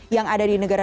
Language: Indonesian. yang ada di negara